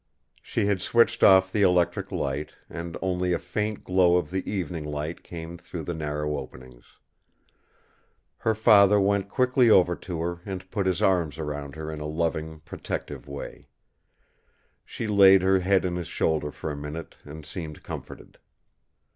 She had switched off the electric light, and only a faint glow of the evening light came through the narrow openings. Her father went quickly over to her and put his arms round her in a loving protective way. She laid her head on his shoulder for a minute and seemed comforted.